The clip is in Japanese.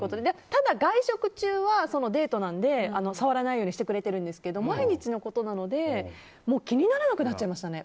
ただ、外食中はデートなので触らないようにしてくれてるんですけど毎日のことなので気にならなくなっちゃいましたね。